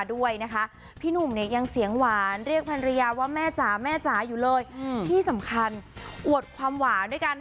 ด้วยนะคะพี่หนุ่มเนี่ยยังเสียงหวานเรียกภรรยาว่าแม่จ๋าแม่จ๋าอยู่เลยที่สำคัญอวดความหวานด้วยกัน